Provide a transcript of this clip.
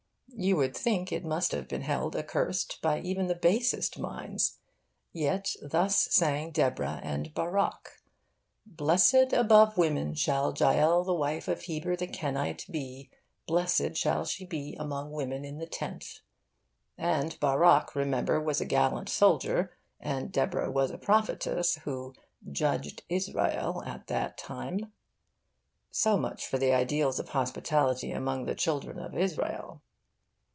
You would think it must have been held accursed by even the basest minds. Yet thus sang Deborah and Barak, 'Blessed above women shall Jael the wife of Heber the Kenite be, blessed shall she be among women in the tent.' And Barak, remember, was a gallant soldier, and Deborah was a prophetess who 'judged Israel at that time.' So much for the ideals of hospitality among the children of Israel.